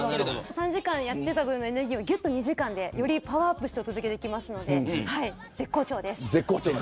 ３時間やっていた分のエネルギーを２時間にしてよりパワーアップしてお届けしますので絶好調です。